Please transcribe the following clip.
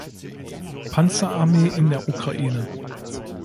Panzerarmee in der Ukraine.